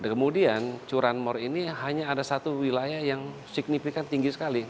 kemudian curanmor ini hanya ada satu wilayah yang signifikan tinggi sekali